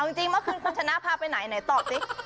เอาจริงเมื่อคืนคุณชนะพาไปไหนไหนตอบสิ